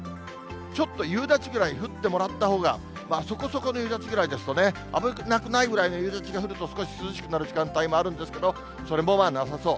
ちょっと夕立ぐらい降ってもらったほうが、そこそこの夕立ぐらいですとね、危なくないくらいの夕立が降ると少し涼しくなる時間帯もあるんですけど、それもなさそう。